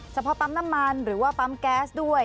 เฉพาะปั๊มน้ำมันหรือว่าปั๊มแก๊สด้วย